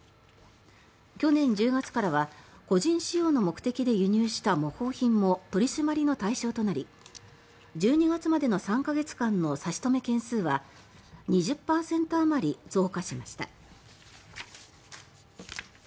去年１０月からは個人使用の目的で輸入した模倣品も取り締まりの対象となり１２月までの３か月間の差し止め件数は２０％あまり増加しました。